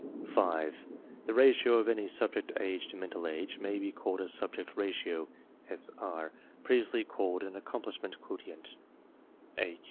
V. The ratio of any Subject Age to Mental Age * may be called a S ubject R atio (SR), previously called an Accomplishment Quotient ^(Acc. Q.).